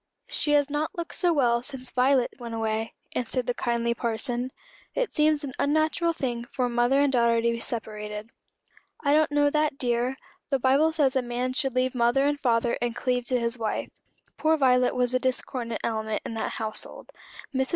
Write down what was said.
"She has not looked so well since Violet went away," answered the kindly parson. "It seems an unnatural thing for mother and daughter to be separated." "I don't know that, dear. The Bible says a man should leave mother and father and cleave to his wife. Poor Violet was a discordant element in that household. Mrs.